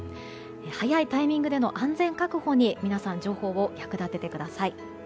早いタイミングでの安全確保に皆さん情報を役立ててください。